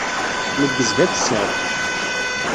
Neggez d akessar.